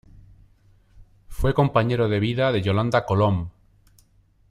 Fue compañero de vida de Yolanda Colom.